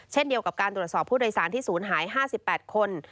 เช่นเดียวกับการตรวจสอบผู้โดยสารที่ศูนย์หาย๕๘คน